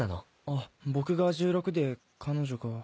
あっ僕が１６で彼女が。